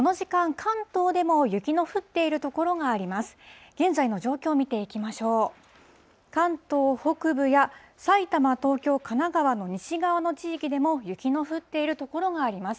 関東北部や埼玉、東京、神奈川の西側の地域でも、雪の降っている所があります。